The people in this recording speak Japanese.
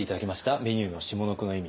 メニューの下の句の意味。